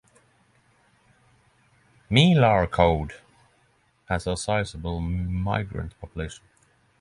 Melarcode has a sizable migrant population.